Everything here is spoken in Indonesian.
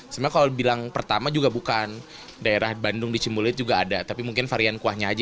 kalau bilang pertama juga bukan daerah bandung dicemulit juga ada tapi mungkin varian kuahnya ada